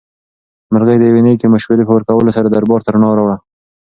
مرغۍ د یوې نېکې مشورې په ورکولو سره دربار ته رڼا راوړه.